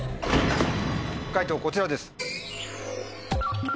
解答こちらです。